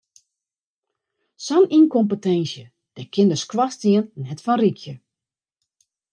Sa'n ynkommentsje, dêr kin de skoarstien net fan rikje.